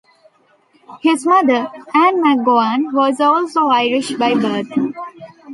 His mother, Ann MacGowan, was also Irish by birth.